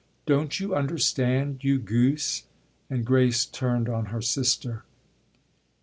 "Don't you understand, you goose?" and Grace turned on her sister.